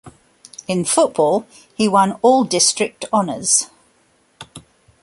In football, he won All-District honors.